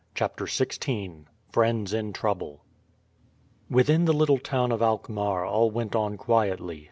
CHAPTER XVI FRIENDS IN TROUBLE Within the little town of Alkmaar all went on quietly.